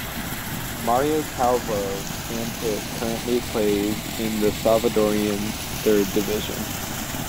Mario Calvo and it currently plays in the Salvadoran Third Division.